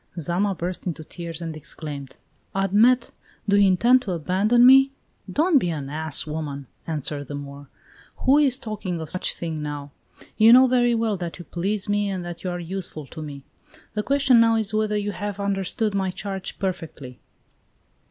Zama burst into tears and exclaimed: "Admet, do you intend to abandon me?" "Don't be an ass, woman!" answered the Moor. "Who is talking of such a thing now? You know very well that you please me and that you are useful to me. The question now is whether you have understood my charge perfectly."